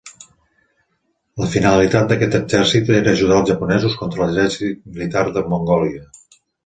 La finalitat d'aquest exèrcit era ajudar els japonesos contra l'exèrcit militar de Mongòlia.